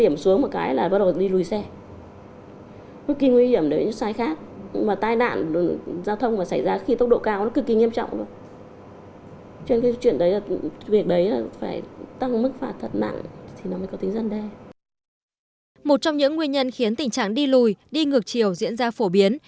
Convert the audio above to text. một trong những nguyên nhân khiến tình trạng đi lùi đi ngược chiều diễn ra phổ biến